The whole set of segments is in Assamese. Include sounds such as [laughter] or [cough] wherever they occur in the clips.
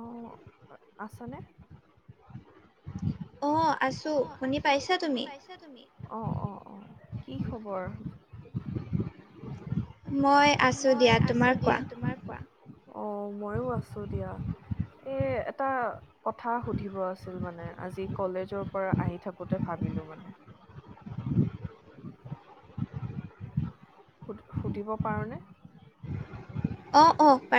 অ', আছনে? অ', আছো। শুনি পাইছা তুমি? অহ, অহ, অহ। কি খবৰ? মই মই আছো দিয়া। তোমাৰ কোৱা? অহ মইয়ো আছো দিয়া। এই এটা কথা সুধিব আছিল মানে, আজি কলেজৰ পৰা আহি থাকোতে ভাবিলো মানে? সুধি সুধিব পাৰোনে?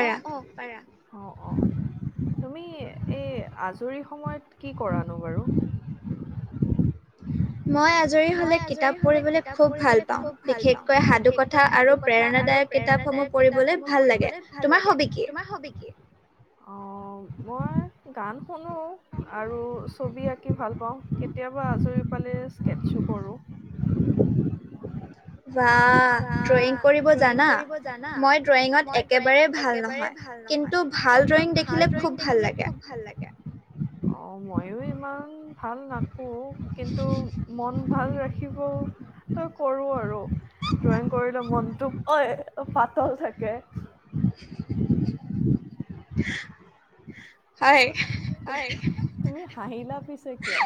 অ' অ' পাৰা। অ', অ'। তুমি এই আজৰি সময়ত কি কৰানো বাৰু? মই আজৰি হ'লে কিতাপ পঢ়িবলৈ খুব ভাল পাওঁ। বিশেষকৈ সাধুকথা আৰু প্ৰেৰণাদায়ক কিতাপসমূহ পঢ়িবলৈ ভাল লাগে। তোমাৰ হবি কি? অহ মই গান শুনো। আৰু ছবি আঁকি ভাল পাওঁ, কেতিয়াবা আজৰি পালে স্কেটছো কৰো। বা ড্ৰয়িং কৰিব জানা? মই ড্ৰয়িঙত একেবাৰে ভাল নহয়। কিন্তু ভাল ড্ৰয়িং দেখিলে খুব ভাল লাগে। অহ মইও ইমান ভাল নাকো, কিন্তু মন ভাল ৰাখিব তো কৰো আৰু। ড্ৰয়িং কৰিলে মনটো অই পাতল থাকে। [unintelligible] উ [unintelligible] আই আই, তুমি হাঁহিলা পিছে কিয়?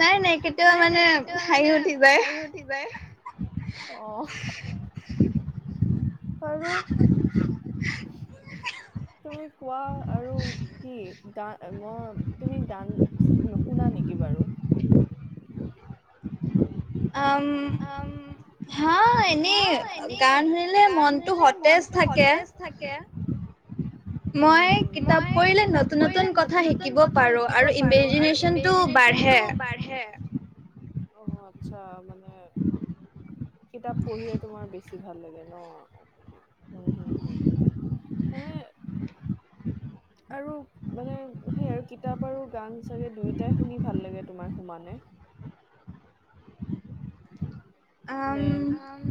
নাই, নাই। কেতিয়াবা মানে হাঁহি উঠি যায়। উঠি যায়। অহ পাৰো। তুমি কোৱা আৰু কি গা মই তুমি গান নুশুনা নেকি বাৰু? আম হা' এনেই গান শুনিলে মনটো সতেজ থাকে। মই কিতাপ পঢ়িলে নতুন নতুন কথা শিকিব পাৰো আৰু ইমেজিনেচনটো বাঢ়ে। অহ আচ্ছা মানে কিতাপ পঢ়িয়ে তোমাৰ বেছি ভাল লাগে ন। হুম হুম হুম মানে আৰু মানে সেই আৰু কিতাপ আৰু গান চাগে দুয়োটাই শুনি ভাল লাগে তোমাৰ সমানে। নে আম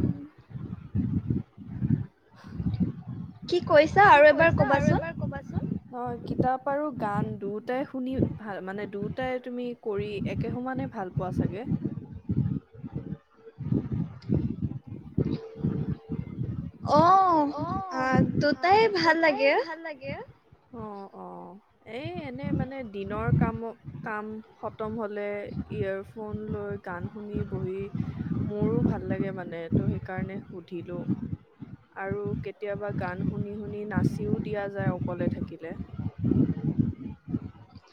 কি কৈছা কি কৈছা আৰু এবাৰ কবাচোন। অহ কিতাপ আৰু গান দুয়োটাই শুনি ভাল মানে দুয়োটাই তুমি কৰি একে সমানে ভাল পোৱা চাগে? [inaudible] অহ আহ দুইয়োটাই ভাল লাগে অহ অহ। এই এনে মানে দিনৰ কামত কাম খতম হ'লে ইয়েৰফোন লৈ গান শুনি বহি মোৰো ভাল লাগে মানে টো সেইকাৰণে সুধিলো। আৰু কেতিয়াবা গান শুনি শুনি নাচিও দিয়া যায় অকলে থাকিলে। [unintelligible]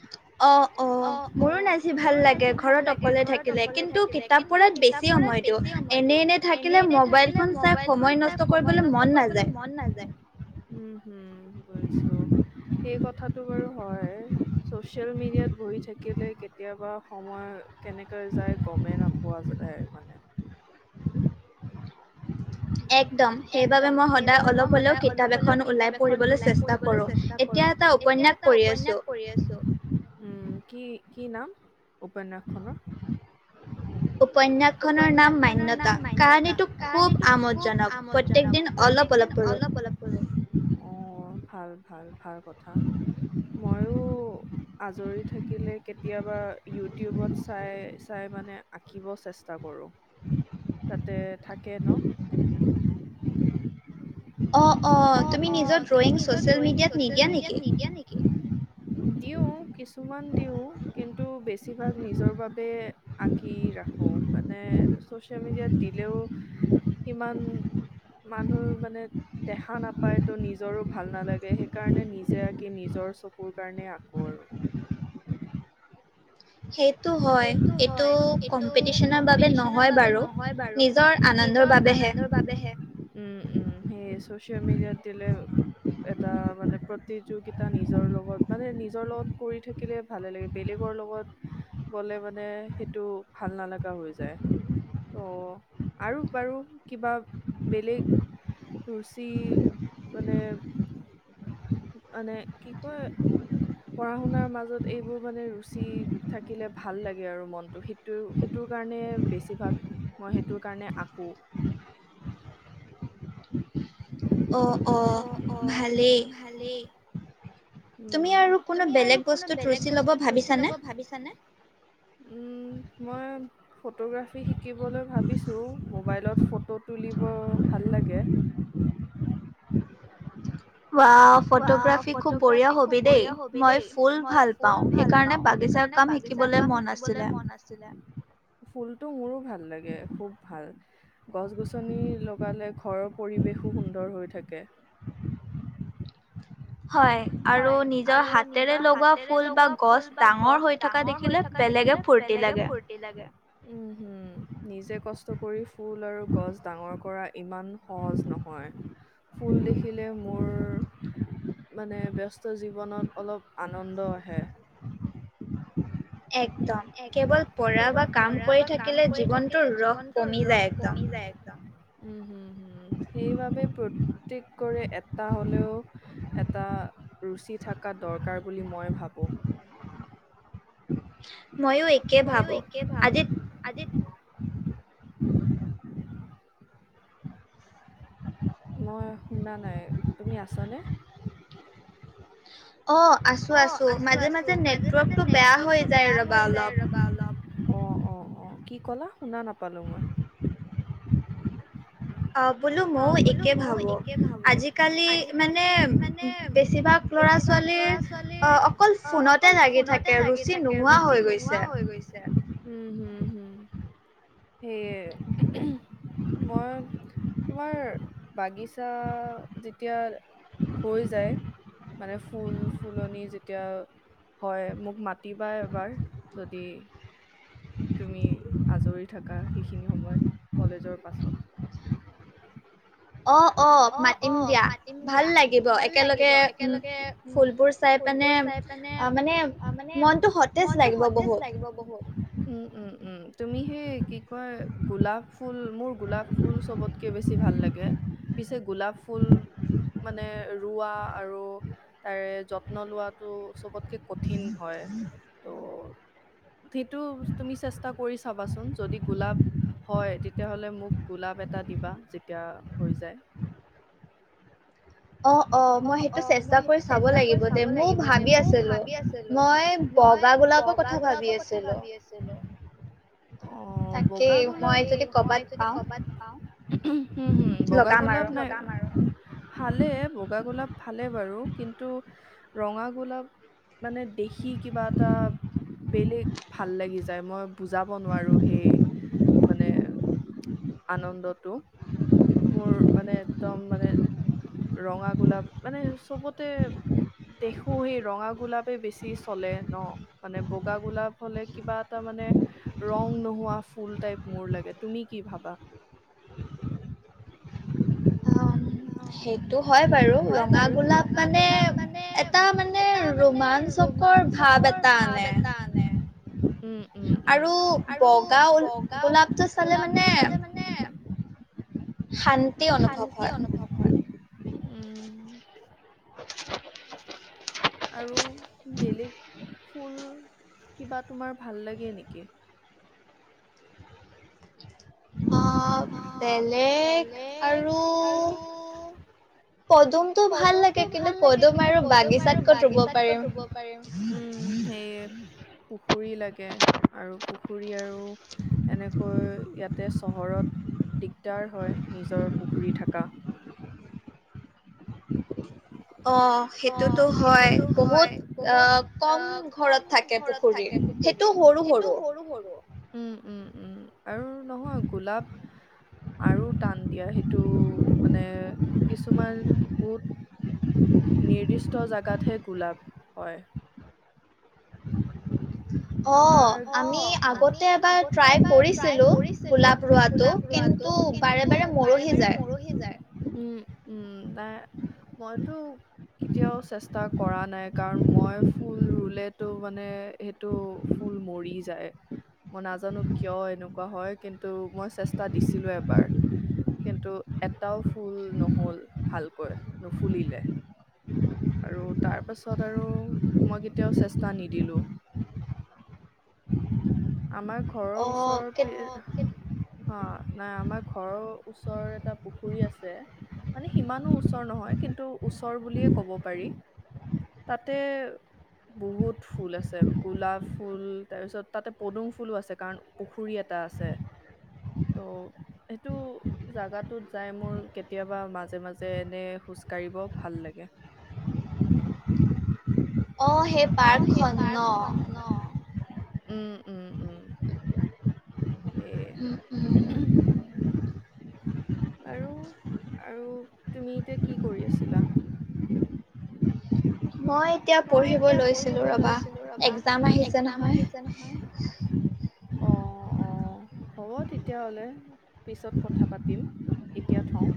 অ অ। অ, মোৰো নাছি ভাল লাগে ঘৰত অকলে থাকিলে, কিন্তু কিতাপ পঢ়ত বেছি সময় দিওঁ। এনে এনে থাকিলে মোবাইল ফোন চাই সময় নষ্ট কৰিবলৈ মন নাযায়। উম হম বুজিছো, সেই কথাটো বাৰু হয়। ছ'চিয়েল মিডিয়াত বহি থাকিলে কেতিয়াবা সময় কেনেকে যায় গমেই নাপোৱা যায় মানে। [unintelligible] একদম, সেইবাবে মই সদায় অলপ হলেও কিতাপ এখন ওলাই পঢ়িবলৈ চেষ্টা কৰোঁ। এতিয়া এটা উপন্যাস পঢ়ি আছোঁ। উম, কি কি নাম? উপন্যাসখনৰ উপন্যাসখনৰ নাম মান্যতা, কাহিনীটো খুব খুব আমোদজনক, প্ৰত্যেক দিন অলপ [unintelligible] অ ভাল-ভাল-ভাল কথা। মইয়ো আজৰি থাকিলে কেতিয়াবা ইউটিউবত চাই চাই মানে আঁকিব চেষ্টা কৰোঁ। [unintelligible] তাতে থাকে ন? অ অ তুমি নিজৰ ড্ৰয়িং ছচিয়েল মিডিয়াত নিদিয়া নেকি? দিওঁ কিছুমান দিওঁ কিন্তু বেছিভাগ নিজৰ বাবে আঁকি ৰাখো, মানে ছচিয়েল মিডিয়াত দিলেও সিমান মানুহ মানে দেখা নাপায় তো নিজৰো ভাল নালাগে, সেইকাৰণে নিজে আঁকি নিজৰ চকুৰ কাৰণে আঁকো আৰু। সেইটো হয়, এইটো কম্পিটিচনৰ বাবে নহয় বাৰু। নি জৰ আনন্দৰ বাবেহে। বাবেহে। উম উম সেয়ে ছচিয়েল মিডিয়াত দিলে এটা মানে প্ৰতিযোগিতা নিজৰ লগত, মানে নিজৰ লগত কৰি থাক থাকিলে ভালে লাগে, বেলেগৰ লগত গ'লে মানে সেইটো ভাল নালগা হৈ যায়। অ আৰু বাৰু কিবা বেলেগ ৰুচি মানে মানে কি কয়, পঢ়া-শুনাৰ মাজত এইবোৰ মানে ৰুচি থাক আঁকিলে ভাল লাগে আৰু মনটো, সেইটো, সেইটোৰ কাৰণে বেছিভাগ মই সেইটোৰ কাৰণে আঁকোঁ। অ', অ', ভালেই। উম, তুমি আৰু কোনো বেলেগ বস্তুত ৰুচি ল'ব ভাবিছানে? উম, মই ফটোগ্ৰাফী শিকিবলৈ ভাবিছোঁ, মোবাইলত ফটো তুলিব ভাল লাগে। ৱাও। ফটোগ্ৰাফি খুব বঢ়িয়া হবি দেই, মই ফুল ভাল পাও, সেইকাৰণে বাগিচাৰ কাম শে শিকিবলৈ মন আছিলে। ফুলতটো মোৰো ভাল লাগে, খুব ভাল গছ-গছনি লগালে ঘৰৰ পৰিৱেশো সুন্দৰ হৈ থাকে। হয়। আৰু নিজৰ হাতেৰে লগোৱা ফুল বা গছ ডাঙৰ হৈ থকা দেখিলে বেলেগে ফূুৰ্তি লাগে। কি লাগে? উম, হম, নিজে কষ্ট কৰি ফুল আৰু গছ ডাঙৰ কৰা ইমান সহজ নহয়, ফুল দেখিলে মোৰ মানে ব্যস্ত জীৱনত অলপ আনন্দ আহে। একদম। একদম, কেৱল পঢ়া বা কাম কৰি থাকিলে জীৱনটোৰ ৰস কমি যায় একদম। উম, হুম, হম, সেইবাবে প্ৰত্যেকৰে এটা হ'লেও এটা ৰুচি থকা দৰকাৰ বুলি মই ভাবোঁ। ময়ো একে ভাবো। আজিত [unintelligible] মই শুনা নাই। তুমি আছানে? অ, আছে। অ, আছো, আছো। মাজে-মাজে নেটৱৰ্কতটো বেয়া হৈ যায়, ৰ'বা অলপ। অ, অ, অ, কি কলা? শুনা নাপালো মই। অ, বোলো, মইও একে ভাবো। আজিকালি মানে বেছিভাগ ল'ৰা-ছোৱালীৰ অ, অকল ফোনতে লাগি থাকে, ৰুচি নোহোৱা হৈ গৈছে। উম, হম, হম, সেয়ে, মই তোমাৰ বাগিচা যেতিয়া হৈ যায় মানে ফুল-ফুলনি যেতিয়া হয়, মোক মাতিবা এবাৰ, যদি তুমি আজৰি থাকা সেইখিনি সময়ত, কলেজৰ পাছত। অ, অ, মাতিম দিয়া। ভাল লাগিব একেলগে ফুলবোৰ চাই পিনে অ, মানে মনটো সতেজ লাগিব বহুত। উম, উম, উম, তুমি সেই কি কয়, গোলাপ ফুল, মোৰ গোলাপ ফুল চবত তকে বেছি ভাল লাগে, পিছে গোলাপ ফুল মানে ৰোৱা আৰু তাৰে যত্ন লোৱাটো চবতকে কঠিন হয়। ত' সেইটো তুমি চেষ্টা কৰি চাবাচোন, যদি গোলাপ হয়, তেতিয়াাহ'লে মোক গোলাপ এটা দিবা, যেতিয়া হৈ যায়। অ, অ, মই সেইটো চেষ্টা কৰি চাব লাগিব, [unintelligible] ময়ো ভাবি আছিলো। মই বগা গোলাপৰ কথা ভাবি আছিলো। অ, বগা গোলাপ। মই যদি ক'ৰবাত পাওঁ [unintelligible] হু হুম বগা গোলাপ নাই। কাম আৰু। ভালে বগ গোলাপ ভালে বাৰু কিন্তু ৰঙা গোলাপ মানে দেখি কিবা এটা বেলেগ ভাল লাগি যায়। মই বুজাব নোৱাৰোঁ। সেই মানে আনন্দতটো। মোৰ মানে এদম মানে, ৰঙা গোলাপ মানে চ'বতে দেখো সেই ৰঙা গোলাপেই বেছি চলে ন'? মানে বগা গোলাপ হ'লে কিবা এটা মানে ৰং নোহোৱা ফুল টাইপ মোৰ লাগে। তুমি কি ভাবা? [unintelligible] অঁ সেইটো হয় বাৰু, ৰঙা গোলাপ মানে এটা মানে ৰোমাঞ্চকৰ ভাৱ এটা আনে। উম উম উম। আৰু বগা ও গোলাপটো চালে মানে শান্তি অনুভৱ হয়। উম [unintelligible] আৰু বেলেগ ফুল কিবা তোমাৰ ভাল লাগে নেকি? অঁ বেলেগ আৰু পদুম পদুমটো ভাল লাগে। কিন্তু পদুম আৰু বাগিচাত ক'ত ৰুব পাৰিম? উম সেয়ে পুখুৰী লাগে আৰু পুখুৰী আৰু এনেকৈ ইয়াতে চহৰত দিগদাৰ হয়, নিজৰ পুখুৰী থাকা অঁ সেইটোতো হয়, বহুত অঁ কম ঘৰত থাকে পুখুৰী, সেইটো সৰু সৰু উম উম উম আৰু নহয় গোলাপ আৰু টান দিয়া, সেইটো মানে কিছুমান বহুত নিৰ্দিষ্ট জাগাতহে গোলাপ হয়। [inaudible] আমাৰ। অঁ আমি আগতে এবাৰ ট্ৰাই কৰিছিলো গোলাপ ৰুৱাটো কিন্তু বাৰে বাৰে মৰহি হি যায়। উম উম নাই মইতো কেতিয়াও চেষ্টা কৰা নাই কাৰণ মই ফুল ৰুলেতো মানে সেইটো ফুল মৰি যায়। মই নাজানো কিয় এনেকুৱা হয়? কিন্তু মই চেষ্টা দিছিলো এবাৰ। কিন্তু এটাও ফুল নহ'ল ভালকৈ নুফুলিলে। আৰু তাৰ পাছত আৰু মই কেতিয়াও চেষ্টা নিদিলো। আমাৰ ঘৰৰ ওচৰৰ পিৰ, অ' কে হঁ নাই আমাৰ ঘৰৰ ওচৰৰ এটা পুখুৰী আছে। মানে সিমানো ওচৰ নহয়, কিন্তু ওচৰ বুলিয়েই ক'ব পাৰি। তাতে বহুত ফুল আছে আৰু গোলাপ ফুল, তাৰপিছত তাতে পদুম ফুলো আছে কাৰণ পুখুৰী এটা আছে। ত' সেইটো জাগাটোত যাই মোৰ কেতিয়াবা মাজে মাজে এনেয়ে খোজ কাঢ়িব ভাল লাগে। অঁ, সেই পাৰ্ক খন ন'? উম উম উম এই [unintelligible] বাৰু আৰু তুমি এতিয়া কি কৰি আছিলা? মই এতিয়া পঢ়িব লৈছিলো ৰবা! একজাম আহিছে নহয়। অ' অ'। হ'ব তেতিয়াহ'লে, পিছত কথা পাতিম এতিয়া থওঁ।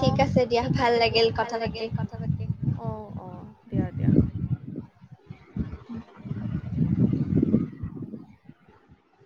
অ' ঠিক আছে দিয়া, ভাল লাগিল। কথা পাতি, অ' অ' দিয়া দিয়া। [inaudible]